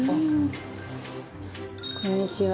こんにちは。